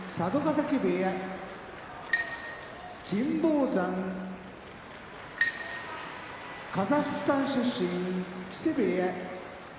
嶽部屋金峰山カザフスタン出身木瀬部屋